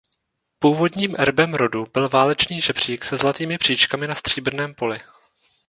Původním erbem rodu byl válečný žebřík se zlatými příčkami na stříbrném poli.